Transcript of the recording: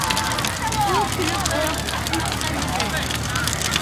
ئۇ كۈلۈپ تۇرۇپ : ئەخمەق قىز.